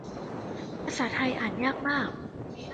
ภาษาไทยอ่านยากมาก